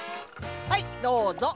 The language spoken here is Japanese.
はいどうぞ。